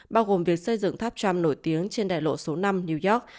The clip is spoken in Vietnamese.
bao gồm việc xây dựng tháp tràm nổi tiếng trên đại lộ số năm new york